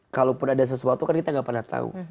kalaupun ada sesuatu kan kita gak pernah tahu